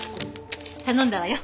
頼んだわよ。